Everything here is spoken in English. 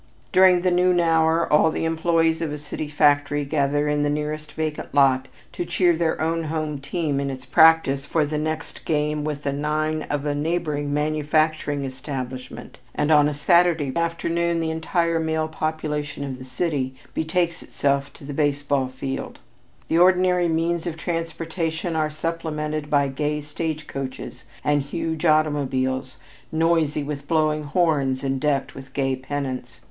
During the noon hour all the employees of a city factory gather in the nearest vacant lot to cheer their own home team in its practice for the next game with the nine of a neighboring manufacturing establishment and on a Saturday afternoon the entire male population of the city betakes itself to the baseball field; the ordinary means of transportation are supplemented by gay stage coaches and huge automobiles, noisy with blowing horns and decked with gay pennants.